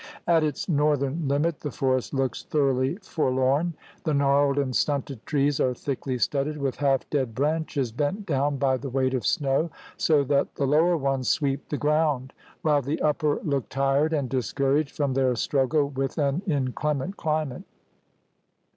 At its northern limit the forest looks thoroughly for lorn. The gnarled and stunted trees are thickly studded with half dead branches bent down by the weight of snow, so that the lower ones sweep the ground, while the upper look tired and discouraged from their struggle with an inclement climate.